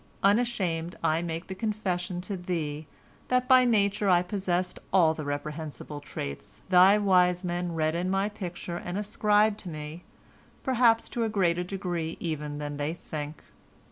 Unashamed I make the confession to thee that by nature I possessed all the reprehensible traits thy wise men read in my picture and ascribed to me, perhaps to a greater degree even than they think.